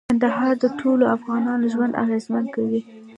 کندهار د ټولو افغانانو ژوند اغېزمن کوي.